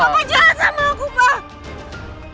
papa jangan sama aku pak